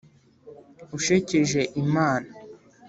ushekeje imana